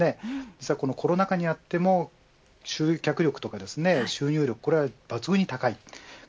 実はこのコロナ禍にあっても集客力とか収入力、これがばつぐんに高いです。